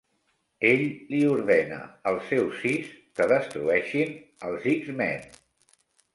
Ell li ordena als seus Sis que destrueixin als X-Men.